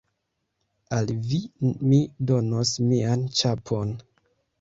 Al vi mi donos mian ĉapon.